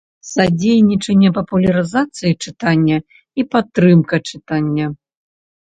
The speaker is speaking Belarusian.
Садзейнiчанне папулярызацыi чытання i падтрымка чытання.